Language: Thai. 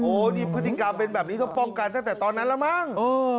โอ้โหนี่พฤติกรรมเป็นแบบนี้ต้องป้องกันตั้งแต่ตอนนั้นแล้วมั้ง